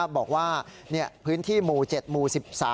บอกว่าพื้นที่หมู่๗หมู่๑๓